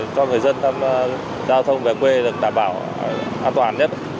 cho người dân giao thông về quê được đảm bảo an toàn nhất